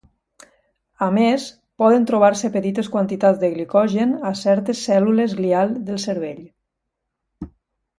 A més, poden trobar-se petites quantitats de glicogen a certes cèl·lules glial del cervell.